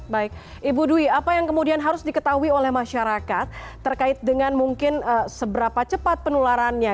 baik ibu dwi apa yang kemudian harus diketahui oleh masyarakat terkait dengan mungkin seberapa cepat penularannya